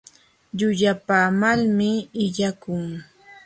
Llullapaamalmi illakun.